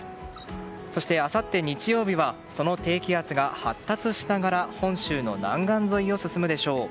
そしてあさって日曜日はその低気圧が発達しながら本州の南岸沿いを進むでしょう。